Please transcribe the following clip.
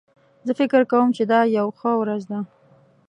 زه فکر کوم چې دا یو ښه ورځ ده